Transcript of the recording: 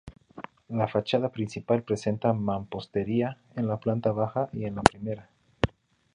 La fachada principal presenta mampostería en la planta baja y en la primera.